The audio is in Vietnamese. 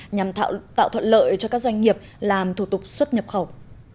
nhằm tạo thuận lợi cho các doanh nghiệp làm thủ tục xuất nhập khẩu